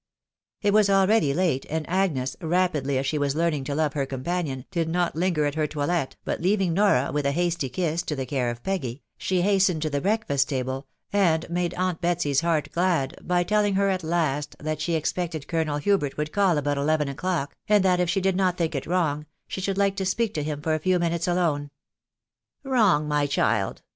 It was already late ; and Agnes, rapidly as she was learning * to love her companion, did not linger at her toilet, bat leaving Nora, with a hasty kiss, to the care of Peggy, she hastened to the breakfast table, and made aunt Betsy's heart glad by tell ing her at last that she expected Colonel Hubert would call about eleven o'clock, and that if she did not think it wrong she should like to speak to him for a few minutes alone. " Wrong, my child